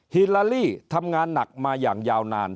ฮิลาลี่ทำงานหนักมาอย่างยาวนาน